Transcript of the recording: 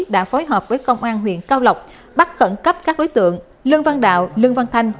đã phối hợp với công an huyện cao lộc bắt khẩn cấp các đối tượng lương văn đạo lương văn thanh